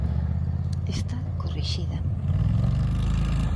Está corrixida.